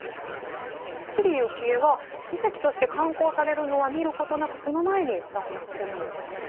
知里幸恵は書籍として刊行されるのは見ることなくその前に亡くなってるんですよね。